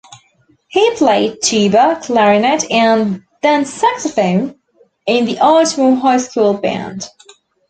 He played tuba, clarinet, and then saxophone in the Ardmore High School band.